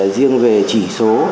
riêng về chỉ số